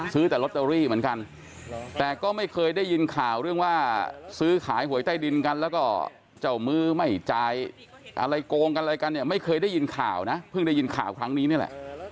ซื้อแต่ลอตเตอรี่เหมือนกันแต่ก็ไม่เคยได้ยินข่าวเรื่องว่าซื้อขายหวยใต้ดินกันแล้วก็เจ้ามือไม่จ่ายอะไรโกงกันอะไรกันเนี่ยไม่เคยได้ยินข่าวนะเพิ่งได้ยินข่าวครั้งนี้นี่แหละ